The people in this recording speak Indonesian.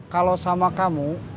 kalau sama kamu